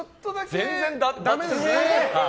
全然だめですね。